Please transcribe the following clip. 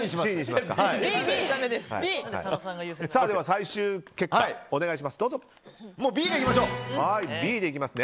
最終結果、お願いします。